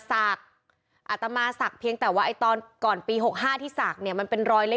สักอัตมาสักเพียงแต่ว่าไอ้ตอนก่อนปี๖๕ที่สักเนี่ยมันเป็นรอย